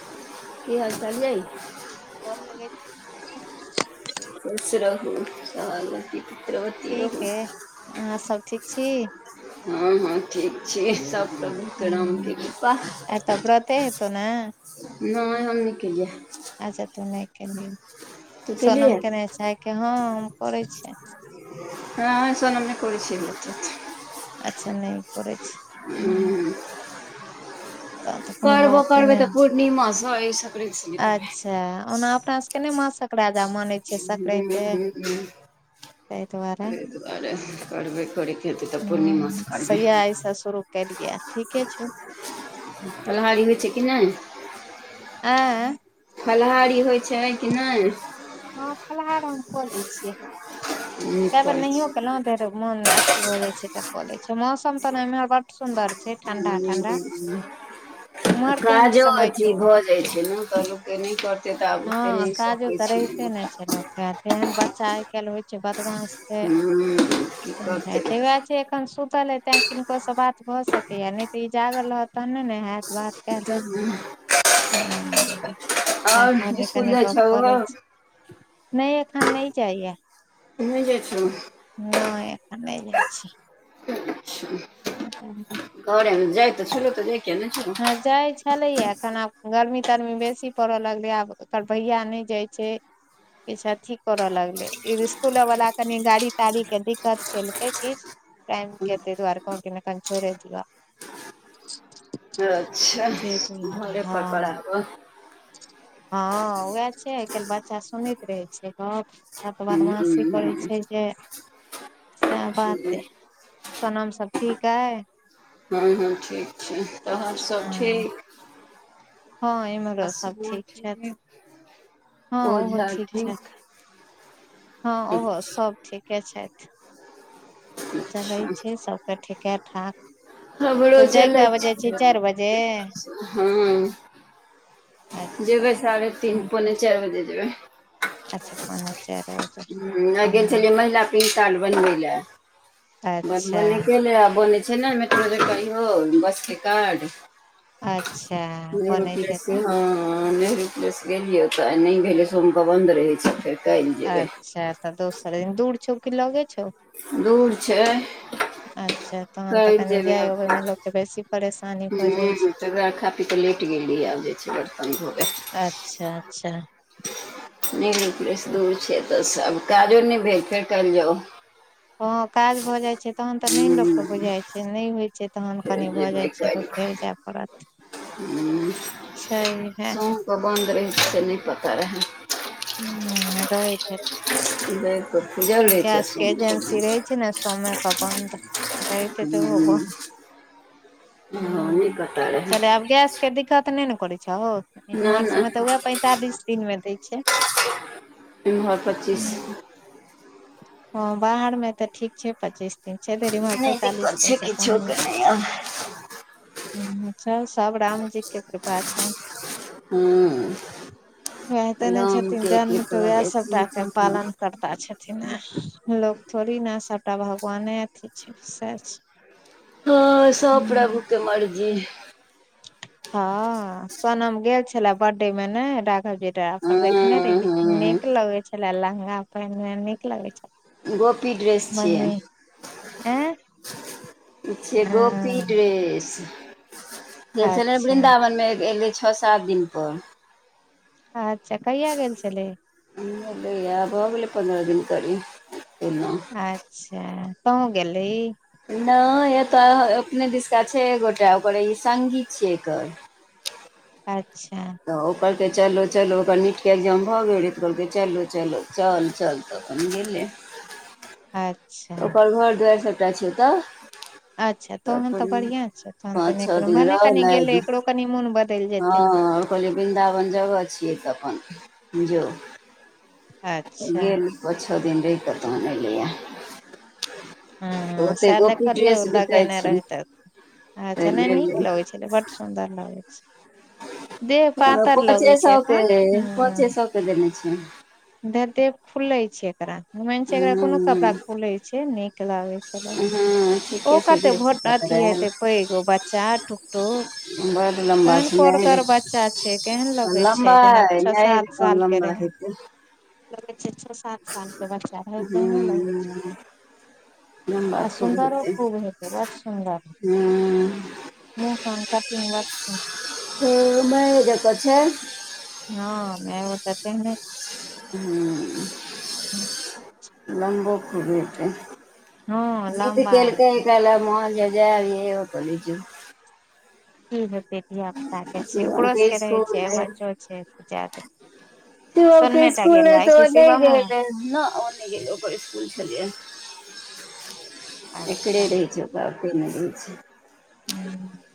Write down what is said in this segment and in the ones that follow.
की हाल चाल यै? गोर लगै छी [unintelligible] खुश रहु सोहागबती ठीक ऐ, आहाँ सब ठीक छी? हँ हँ ठीक छी सब प्रभुके राम के कृपा आइ तऽ व्रते हेतौ ने नैय हम नैय केलियै। अच्छा तू नैय केलही तू सोनम केलियै केने छै के हॅं हम करै छियै। नै सोनम नै करै छैय [unintelligible] अच्छा नैय करै छैय। ऊं तहन तऽ कोनो करबो बाते करबै तऽ नहि पूर्णिमा स अइ स अच्छा ओना अपना सब के नैय मासक राजा मानै छियै सकरैंते हम्म, तैय दुआरे तैय दुआरे करबे करै ह सैया ऐस शुरू केलियै ठीके छौ। फलाहारी होय छै कि नैय। आँए। फलाहारी होइ छैन कि नहि। हँ फलाहार हम कऽलै छियै। कए नीक बेर करै नहियो छै केलहुॅं कियातऽ मोन अथी भऽ जाय छै, तऽ कऽ लै छि, मौसम तऽ ने इम्हर बड सुन्दर यऽ। उम्हर [unintelligible] केहन काजो समय छौ अथी भऽ जाइत छै, ने तऽ लोकके नहि करतै तऽ आब ओतेक नहि स। धियो-पुता रहिते ने छै, लोकके तेहन बच्चा आइ काल्हि होइ छै बदमाश। हँ, की करतै छै वहऽ छै ऐखन सुतल हइ तें। किनकोसँ बात भऽ सकैए, नहि तऽ ई जागल रहत तहन नैन हऽत बात काऽयल। तऽ हँ तैं आओर कहलिय इसकुल कनि जाइ गप छौ कऽ लै छी। नहि नहि एखन नहि जाईए। नहि जाइ छौ। नहि एखन नहि जाइ छी। ह ह। कहरमे जाइ तऽ शुरू तऽ देखै ने। हँ जाइ छलैए ऐखन आब गर्मी तरमी बेसी पड़य लगलै आब। ओकर भैया नहि जाइ छै। किछ अथी करऽ लगले ई ईसकुलो वाला कनि गाड़ी ताड़ी के दिक्कत केलकै किछ। तेंत के एते द्वारे कहलक कि अखन छोईरे दियौ आब। अच्छा से दुआरे घरे पड़ हँ ‌पड्हाबा। हँ उएह छै, आइ काल्हि बच्चा सुनैत रहै छैय गप। त तऽ हम्म, बादमांशी हम्म, करै छै, जे सएह हम्म। बातयऽ। सोनम सब ठीकऐ। हँ हँ ठीक छै, तोहर सब हँ ठीक। हँ इमहरो सब ठीक छथि। हँ ओहो ओझा छथि ठीक। हँ ओहो सब ठीके छैथ। चलै अच्छा छै सबके ठीके-ठाक। तऽ हमरो जाइ चलै कालमे जाइ छी‌ छै चारि बजे। हँ अच्छा जेबै साढ़े तीन पौने चारि बजे जेबै। अच्छा पोने चारि बजे। हुं आय गेल हूँ छलियै, महिला पेन कार्ड बनबै लए। अच्छा बनबेले गेल आ बने छै, ने मेट्रो जकाॅं इहो बसके कार्ड। अच्छा नरु बनैत पस हेतै हँ नेर। बस गेलियै ओतऽ आय नहि भेलै सोमके बन्द रहै छै फेर। काल्हि जेबै अच्छा तऽ दोसरे दिन दूर छौ की लऽगे छौ। दूर छै। अच्छा तहन तऽ काल्हि कनि जेबै जाय आबैमे लोकके कनि बेसी परेशानी भऽ जा। ह ताहि दुआरे खा पी कऽ लेटि गेलीयै आब जे छै बर्तन धोबै। अच्छा अच्छा। मेने प्रेस दूर छै, एतऽस आब काजो नहि भेल फेर काइल जाउ। हँ काज भऽ जाइत छै, तहन तऽ नहि लोकके ह बुझाइत छै, नहि होइत छै। तहन कनि भऽ जाइ छै, तऽ फेर जाय पड़त। ऊं छै है सोमक बन्द रहै छै से नहि पता रहै। हुं रहैत हेतै। [unintelligible] रहै छै गैस के सोमके एजेंसी रहै छै ने सोमे कऽ बन्द रहैत हेतै ओहो बन्द। हँ नहि हूं पता रहै चलै आब गैस के दिक्कत नहि ने छहौ। नहि इम्हर सब मे तऽ नहि उएह पैंतालिस दिन मे दै छै। ‌ इम्हर पच्चीस हँ बाहर मे तऽ ठीक छै पच्चीस दिन छै धरि इमहर नहि दिक्कत पैंतालिस छै दिन से कम किछोके नै होय नहि छै। आब चल सब रामजी के कृपा छैन। हँ वएह देने छथिन रामके जन्म की तऽ उएह कहबै सबटाके पालन कर ता छथिन ने लोक थोड़ी ने सभटा भगवाने अथी छै सैह छै। हँ सब हूँ प्रभुके मर्जी। हँ सोनम गेल छलै बर्थडे मे नै राघवके डेरा पर देखने हँ रहियै। हँ नीक लगै छलय लहँगा पहिनने नीक लगय छलय। गोपी ड्रेस छियै। एं ई छियै गोपी हँ, ड्रेस। गेल छलय अच्छा वृन्दावन मे एलय छ सात दिन पर। अच्छा कहिया गेल छलै? ऊं एलै यैह भऽ गेलै पन्द्रह दिन करीब एना। आच्छा तोंहों गेल रही? नय एतऽ अपने दिशका छै एक गोटा ओकरे ई संगी छियै एकर। अच्छा तऽ ओ कहलकै चलो चलो ओकर नीटके एग्जाम भऽ गेल रहै तऽ कहलकै चलो चलो चल चल। त अपन गेलै। अच ओकर घर दुआइर सभटा छै ओतऽ। अच्छा तोहन तऽ बढ़ियां छै तोहन तऽ पाँच नै छओ कोनो दिन भने कनि रहलै गेले एकरो कनि मोन बद हँ कहलियै वृन्दावन जगह छियै तऽ अपन जो। अच्छा गेल पँच छ दिन रहि कऽ तहनि एलैयै। हूंम्म सैह देखलियै ओ लगेने छै रहै त तऽ अच्छा नय लेलियै नीक लगैत छलय बड सुन्दर लगै छै देह पातर पाँचे लगै छै सौ के एखन हं। [unintelligible] देने छै [unintelligible] फुले छै एकरा मेन छै एकरा कोनो कपड़ा हूँ खुले छै नीक लागे छलै हँ ओ ठीके छै कते डेढ़ सौ भोट पकड़ा अथी आयल हेतै पैघ ओ बच्चा टुकटुक बड़ लम्बा छै मैए छै केहन जेकाँ हँ लगै छै जेना लंबाय छः मैए सात जेकाँ साल के लंबा रहै हेत [unintelligible] लगै छै छ सात साल के बच्चा रहै तेहने लगय छै। हूँ लम्बा आ खूब सुन्दरो हेतै खूब हेतय बड्ड सुन्दर। हूँ मुँह कान कटिंग बड्ड सुन्दर। हम्म मैए जेकाँ छै। हँ मैओ त तेहने छै। हम्म लम्बो खूब हेतय। हँ जीद लम्बा केलकय हेतै कहलक मोहन जे जै दही त कहलियै जो। की हेतै धिया पुताके छै शिवम ओकरो के सबके रहै स्कूल छै आ बच्चो छै जै दही त ओइके स्कूल मे तऽ ओ नै शिवमो गेल हेतथि ना नै गेलै ओकर स्कुल छलैए एकरे अच्छा रहै छै। [unintelligible] नै रहै छै [inaudible]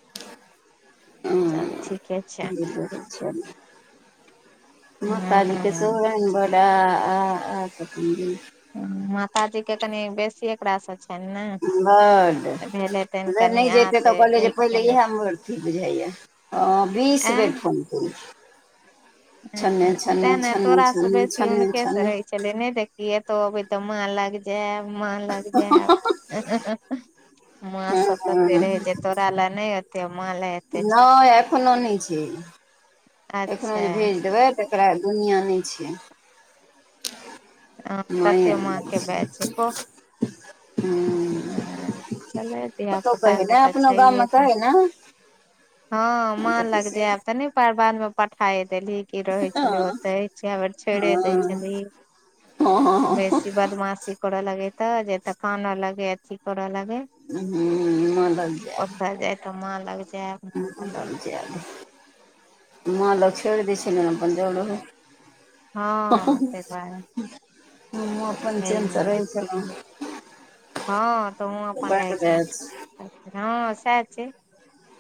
चलू ठीके छै। चल माताजी के सेहो हूँ रहैन ब आ आ आ [unintelligible] हूॅं माताजी के कनि बेसी एकरा सँ छ बड्ड तनि जे नै कनि जइतै आज तऽ कहलियै जे वेट पहिले कऽ लेत इएह मैर खइप जाइये। हँ बीस बेर एं फोन केलखिन। छन्ने [unintelligible] छन्ने तें ने छन्ने तोरा से छन्ने बेसी छन्ने हुनके से छन्ने रहै छलय नय देखली एतौ अबै तऽ माँ लग जैब माँ लग जाएब हहह माँ हँ से तते हँ रहे जे तोरा ले नै एते माँ ले एते छलै नहि एखनो नहि छै एखनो जे अच्छा भेज देबै तकरा दुनिया नहि छै। । ह तते माँ के बैच [inaudible] हँ छलै धिया कहै पुताके ने तऽ अपनो छैहे गाममे तऽ कहै ने हँ माँ लग जायब तऽ नै पाय बाद मे पठाए देलही। इ रहै तऽ छलै ओतहि केए बेर छोइड़े दै माँ छलही, बेसी। बदमाशी करऽ लागय तऽ जे एतऽ कानऽ लगै अथी करऽ लगै हूँ माँ लग जेएब। तैं त एत मां लग छै। माँ लग जाएब माँ लग छोड़ि दै छियनि तहन अपन जाउ रहु। [unintelligible] हँ हमहूँ ताहि दुआरे अपन छैहे चैन स रहै छलहूं।। [inaudible] हँ तोंहु अपन रहै छेलेहे। हँ सेएह छै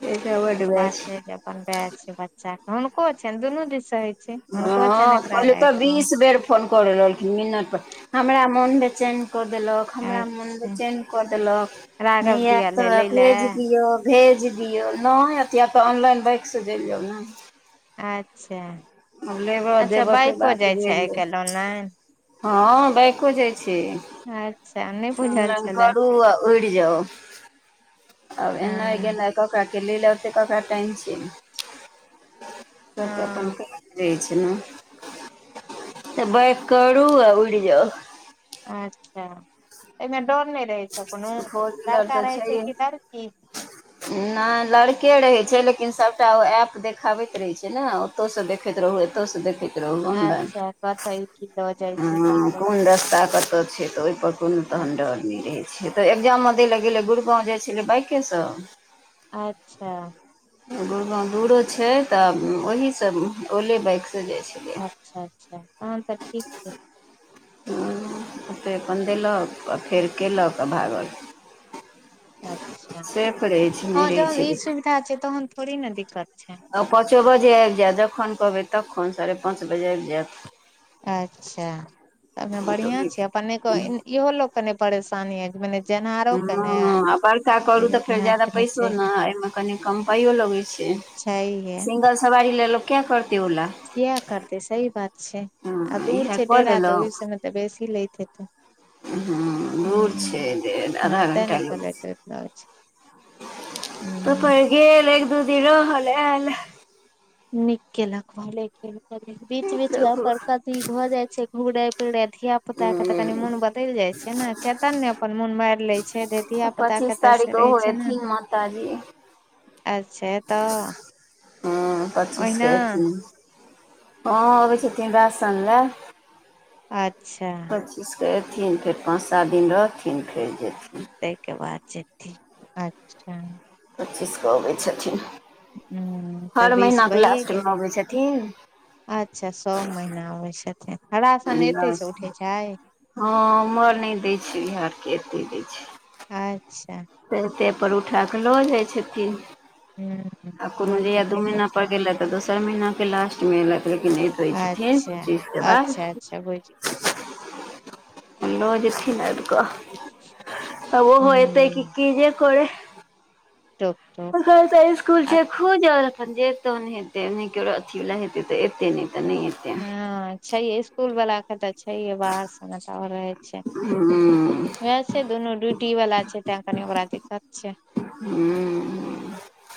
एकटा बड एतबा बैच छै जै अपन बेए छै बच्चा के हुनको छनि दुनू दिस से होइ छै हँ हुनको छनि एकरा कहलियौ लए तऽ एकरो बीस बेर फोन करऽ लगलखिन मिनट पर हमरा मोन बेचैन कऽ देलक। हमरा मुन अच्छा बेचैन कऽ देलक राघव नहि जी आएब एलै तऽ लै लए भेज दियअ। भेज दियौ नहि अथि आ तऽ आनलाइन बाइक सँ चलि जाउ ने। अच्छा आब लेबऽ अच्छा देबऽ के बाइको बात जाइ छै भेल आइ काल्हि ऑलाइन? हँ बाइको जाइ अच्छा नहि छै। बुझल आनलाइन छलए करू आ उड़ि जाउ। आब हँ एनाय गेनाय ककरा के लैए ले औतै ककरा टाइम छै, सबके अपन हँ रहै छै न तऽ बाइक करू आ उड़ि जाउ। अच्छा एइमे डर नहि रहै छै कुनो, फोर व्हीलर लड़का तऽ रहै छै छैहे कि लड़की? नहि लड़के रहै छै लेकिन सभटा ओ ऐप देखाबैत रहै छै ने। ओतौ से देखैत रहु एतौ से देखैत रहु आनलाइन अच्छा कतऽ की लऽ जाइ छै की हँ करै कोन रस्ता कतऽ से छै। तऽ ओहिपर कोनो तहन अच्छा डर नहि रहै छै तऽ एग्जामो दै ले गेलै गुड़गाँव जाइ छलै बाइके सँ। अच्छा। गुरगाँव दूरो छै तऽ ओहि सँ ओले बाइक सँ जाइ छै। अच्छा-अच्छा तहन तऽ ठीक छै। हूं ओतेय अपन देलक, आ फेर केलक आ भागल। अच्छा सेफ रहै छै, नहि रहै छै रिक्स। चैची तहन थोड़ी ने दिक्कत छै। औ पाँचो बजे आबि जैत, जखन कहबै तखन साढ़े पाँच बजे आबि जैत। अच्छा तमे बढ़ियां जायत छय, अपने क इहो लोककेँ नहि परेशानी अय मने जेनहारो के ने हं-हं आ बड़का करू तैयो तऽ फेर केनहार ज्यादा के ने पैसो छै न, एहिमे कनि कम पाइयो लगै छै। छैहे। सिंगल सवारी लेल लोक किया करतै ओला। कियाऽ करतै सही बात छै, हँ आ दूर इएह छै कऽ डेरा तऽ ओहि सब में तऽ बेसी लैत हेतै। हूं दूर छै डे आधा घंटा लगै छय। [unintelligible] तऽ हूं फेर गेल एक दू दिन रहल ऐंल। नीक केलक भने चैल गेल, बीच-बीच मे प्रभु अपन कथी भऽ जाय छै घुमनाय - फिरनाय धिया पुता के तऽ कनी हूँ मुन बदैल जाय छै न, चेतन ने अपन मोन मारि लय छै। धिया पुता के पच्चीस तऽ से तारीख रहै ओहो छै न एथिन माताजी अच्छे तऽ। हँ पच्चीस ओहिना कऽ एथिन, हँ अबै छथिन रासन लैए। अच्छा बीस क एथिन, फेर पाँच सात दिन रहथिन फेर जेथिन। तहिके बाद जेथिन। अच्छा पच्चीस कऽ अबै छथिन, ह तऽ हर बीस महिना क लास्ट मे अबै छथिन। अच्छऽ सब महिना आबै छै छथिन हरा सन एते बिहार से उठै हँ ओम्हर नहि दैय छैय, बिहार के एत्तै दैय छैय। अच्छा पेन्टें पर उठाकऽ लऽ जाय छथिन्ह, ह आ कोनो तहन तऽ जहिया दू ठीके महिना छै पर गेलथि। तऽ दोसर महना के लास्ट मे एलथि लेकिन अय दैय छथिन्ह अच्छा [unintelligible] अच्छा अच्छा बुझि गेल अपन लऽ जेथिन्ह आबि कऽ, अब ओहो एतै ह कि-की की जे करय। टब [unintelligible] स्कूल छैय खुजल, अपन जे तहन हेतै नहि कियो र अथी बला हेतै तऽ एतय नहि तऽ नहिये हँ छैहे स्कूल बला के तऽ छैहे, बाहर सब में तऽ और रहय छय। हूं वैह छैय दुनू ड्यूटी वाला छैय, तें कनी ओकरा दिक्कत छय। हूं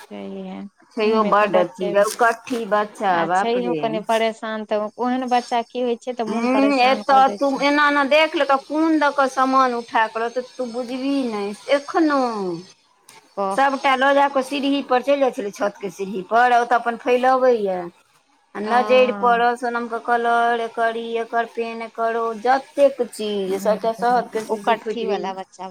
छैहे छैयो ओमे तऽ बड्ड अथी बच्चे कट्ठी बच्चा आ बाप छैहो रे कनि परेश शान तऽ ओहन बच्चा की होइ छै तऽ मोन हुँ परेशान एतऽ कऽ दै तु छै एना-एना देख लेतौ। कोन दऽ कऽ समान उठा कऽ लजेतौ, तू बुझबही नहि एखनो। कह सबटा लऽ जाके सीरही पर चलि जाय छलै, छत के सीरही पर ओतऽ अपन फैलबैये। आ नजैर हँ पड़ल सोनम के कलर, एकर ई, एकर पेन, एकर ओ, जत तेक चीज सबटा सब हूँ, के ओ चीज कट्ठी फुइट वाला गेलै। बच्चा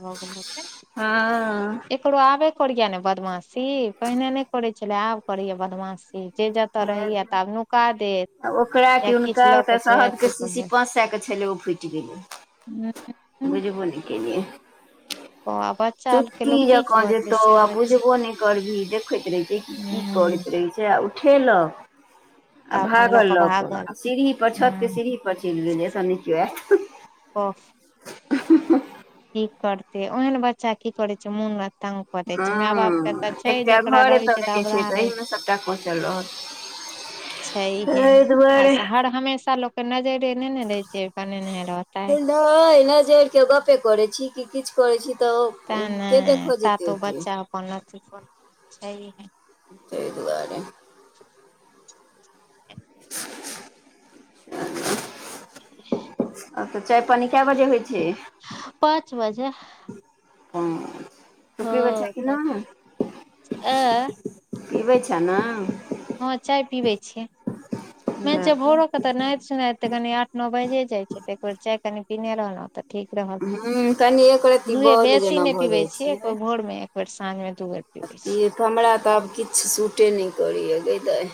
हँ छोड़ू आबे पर करे यैं ने बदमाशी, पहिने नहि करय छलै आब करैये बदमाशी। जे जतऽ रहैये ता आब नुका देत। आ ओकरा कि या हुनका किछु ओ लऽ तऽ के छै शहद के अथी शीशी करत पांच सय के छलै ओ फुटि गेलै। [inaudible] बुझबो नहि केलियै। ओ आफैत चुट्टी जेका जेतौ आ बुझबो नहि करबिही देखैत रहे छैय की हूँ करैत रहय छैय। सेह उठेलक। आ भागल लऽ कऽ आ सीरही पर छतके हूँ सीरही पर चलि गेल एतय नहि कियो ऐत अ। उं हुँ हुँ। की करतय ओहेन बच्चा की करय छैय मोन आ तंग पते छैय माय बापके हँ तऽ छैय एकटा जकरा घर रहय एतऽ छैय तऽ लगै छै अबराह रहय एहिमे छैय। सबटा खोसल रहल छैहे तहि आ दुआरे स हर हमेशा लोकके नजरे नहि ने रहय छैैय बनेने रहल। ओ नहि एना जोड़िकऽ गपे करै छी कि किछु करै छी तब के देखऽ जेतय ओते दूर आनलक सीट पर छैयहे तै दुआरे [inaudible] [inaudible] आब तऽ चाय पानि कय बजे होय छैय। पाँच बजे। उं। तू हँ पीबै छैंय कि नै पाँच ए पीबै छैंय ने। हँ चाय पीबै छियै ह मेन छैय भोरो क तऽ नात सुनात तऽ कनी आठ नौ बजे जाइ छैय तऽ एक बेेर चाय कनि पीने रहलहुँ तऽ ठीक रहल कनि एक रत्ती दुए बॉल बेसी जेना नै भऽ पीबै जाइ छियै एक बेर भोरमे फेर सांझमे दू बेर पीबै छी तऽ हमरा तऽ आब किछ सूटे नै करैए गय दाय।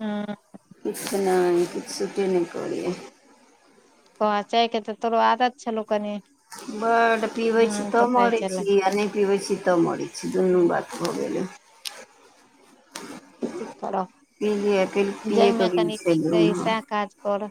हँ। किछु नहि किछु सूट नहि करियै। कह चाय के तऽ तोरो आदत छलो कनि। बड्ड पीबैत छी मन तऽ तब कहै मरैत छलै छी आ नहि पीबैत छी तब मरैत छी दुनू बात। भऽ गेले। की करब जाहिमे कनि ठीक रही सएह [inaudible] काज करऽ